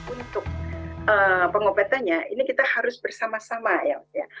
untuk pengobatannya ini kita harus bersama sama ya